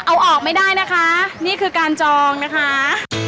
เอาออกไม่ได้นะคะนี่คือการจองนะคะ